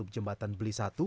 jembatan beli satu